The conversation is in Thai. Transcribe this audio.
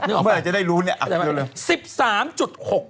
นึกออกไหมไม่ได้รู้เนี่ยอักเร็ว